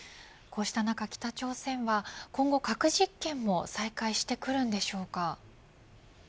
こうした中、北朝鮮は今後、核実験を再開してくるんでしょうか。